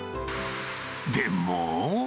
でも。